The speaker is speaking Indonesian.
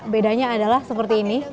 bedanya adalah seperti ini